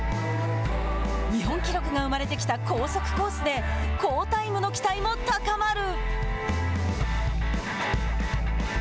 日本記録が生まれてきた高速コースで好タイムの期待も高まる。